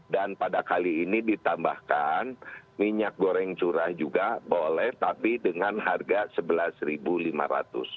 dan pada kali ini ditambahkan minyak goreng curah juga boleh tapi dengan harga rp sebelas lima ratus